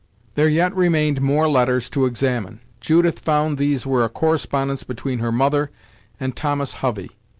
There yet remained more letters to examine. Judith found these were a correspondence between her mother and Thomas Hovey.